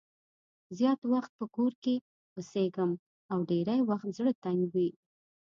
زیات وخت په کور کې اوسېږم او ډېری وخت زړه تنګ وي.